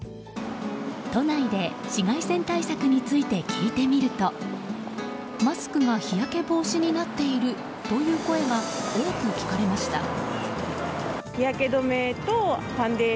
都内で紫外線対策について聞いてみるとマスクが日焼け防止になっているという声が多く聞かれました。